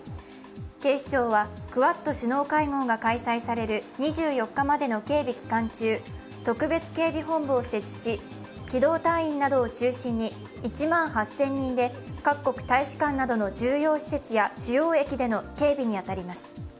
警視庁はクアッド首脳会合が開催される２４日までの警備期間中、特別警備本部を設置し、機動隊員などを中心に１万８０００人で各国大使館などの重要施設や主要駅での警備に当たります。